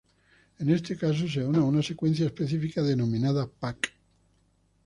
En este caso se une a una secuencia específica denominada "pac".